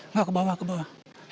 nggak ke bawah ke bawah